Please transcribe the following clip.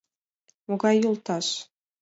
Могай йолташ?..